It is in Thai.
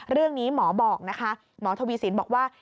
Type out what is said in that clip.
เรื่องนี้หมอบอกนะคะหมอทวีสินบอกว่า